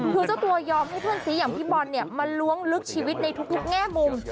คือเจ้าตัวยอมให้เพื่อนซีอย่างพี่บอลเนี่ยมาล้วงลึกชีวิตในทุกแง่มุม